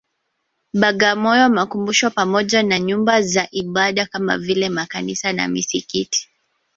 Bagamoyo makumbusho pamoja na Nyumba za Ibada kama vile Makanisa na Misikiti